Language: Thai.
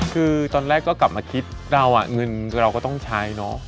คือตอนแรกก็กลับมาคิดเราก็ต้องใช้เนอะ